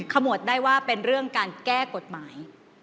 ขมวดได้ว่าเป็นเรื่องการแก้กฎหมาย